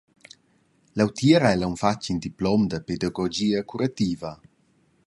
Leutier ha el aunc fatg in diplom en pedagogia curativa.